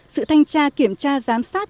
sự thanh tra kiểm tra giám sát